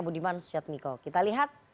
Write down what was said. budiman sujadmiko kita lihat